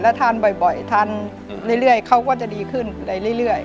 ทานบ่อยทานเรื่อยเขาก็จะดีขึ้นเรื่อย